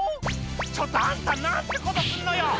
「ちょっとあんた何てことすんのよ！」